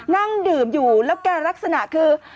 นั่งดื่มอยู่แล้วแกลักษณะคือ